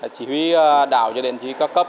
chỉ huy đảo cho đến chỉ huy cao cấp